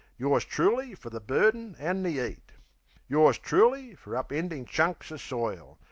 Yours truly fer the burden an' the 'eat! Yours truly fer upendin' chunks o' soil!